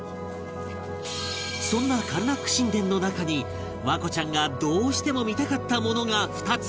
そんなカルナック神殿の中に環子ちゃんがどうしても見たかったものが２つ